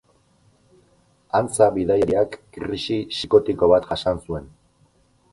Antza, bidaiariak krisi psikotiko bat jasan zuen.